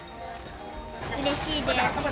うれしいです。